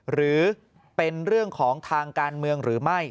หรือเป็นเรื่องของทางการเมืองหรือไม่